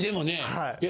はい。